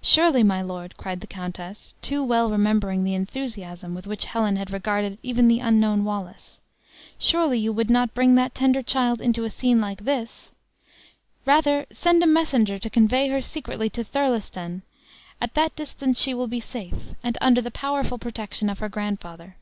"Surely, my lord," cried the countess, too well remembering the enthusiasm with which Helen had regarded even the unknown Wallace: "surely you would not bring that tender child into a scene like this! Rather send a messenger to convey her secretly to Thirlestan; at that distance she will be safe, and under the powerful protection of her grandfather."